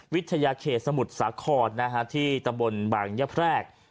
วิทยาเขตสมุทรสาครที่ตะบนบางยะแพรก